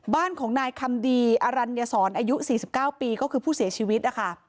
บ้านของนายคำดีอรัญญศรอายุ๔๙ปีก็คือผู้เสียชีวิตนะคะ